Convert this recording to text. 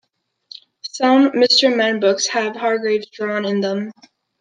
Some "Mr. Men" books have Hargreaves drawn in them.